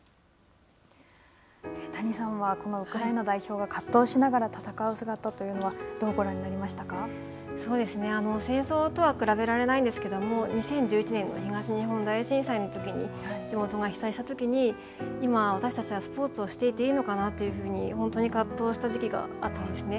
谷さんはこのウクライナ代表が葛藤しながら戦う姿というのは戦争とは比べられないんですけど、２０１１年東日本大震災のときに地元が被災したときに今、私たちがスポーツをしていていいのかなと本当に葛藤した時期があったんですね。